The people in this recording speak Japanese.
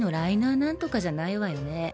なんとかじゃないわよね。